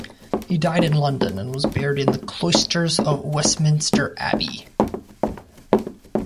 He died in London, and was buried in the cloisters of Westminster Abbey.